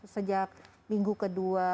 sejak minggu ke dua